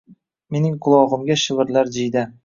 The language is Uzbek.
Mening qulog’imga shivirlar jiyda.